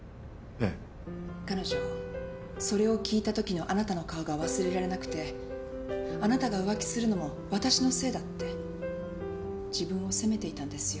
彼女それを聞いたときのあなたの顔が忘れられなくてあなたが浮気するのも「わたしのせいだ」って自分を責めていたんですよ。